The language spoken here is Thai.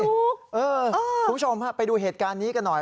คุณผู้ชมฮะไปดูเหตุการณ์นี้กันหน่อย